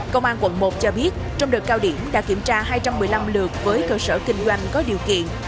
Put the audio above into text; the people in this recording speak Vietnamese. công an quận một cho biết trong đợt cao điểm đã kiểm tra hai trăm một mươi năm lượt với cơ sở kinh doanh có điều kiện